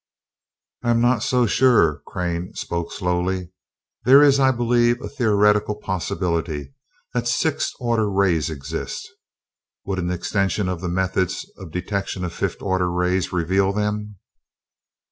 "I am not so sure," Crane spoke slowly. "There is, I believe, a theoretical possibility that sixth order rays exist. Would an extension of the methods of detection of fifth order rays reveal them?"